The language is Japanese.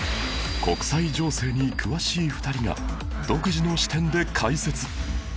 国際情勢に詳しい２人が独自の視点で解説